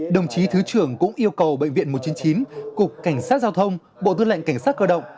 đồng chí thứ trưởng cũng yêu cầu bệnh viện một trăm chín mươi chín cục cảnh sát giao thông bộ tư lệnh cảnh sát cơ động